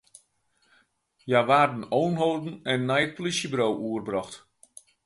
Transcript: Hja waarden oanholden en nei it polysjeburo oerbrocht.